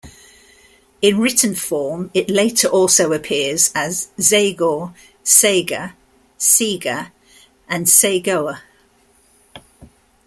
In written form it later also appears as "Zaegor", "Sager", "Seger", and "Cagoer".